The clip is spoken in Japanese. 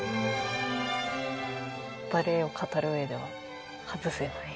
バレエを語る上では外せない方。